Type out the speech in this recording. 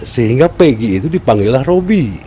sehingga pegi itu dipanggil robi